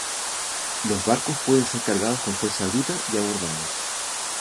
Los barcos pueden ser cargados con fuerza bruta y abordados.